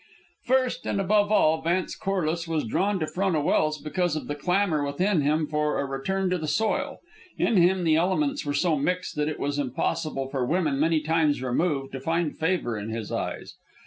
First, and above all, Vance Corliss was drawn to Frona Welse because of the clamor within him for a return to the soil. In him the elements were so mixed that it was impossible for women many times removed to find favor in his eyes.